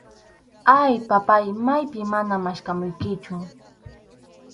Ay, papáy, maypim mana maskhamuykichu.